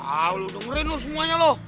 aw lu dengerin lo semuanya lo